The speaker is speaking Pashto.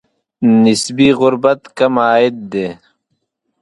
نسبي غربت کم عاید دی.